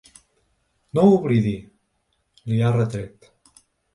No ho oblidi, li ha retret.